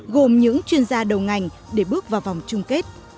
gồm những chuyên gia đầu ngành để bước vào vòng chung kết